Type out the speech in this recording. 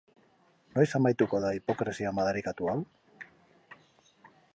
Noiz amaituko da hipokresia madarikatu hau?